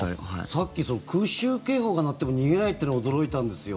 さっき空襲警報が鳴っても逃げないというのに驚いたんですよ。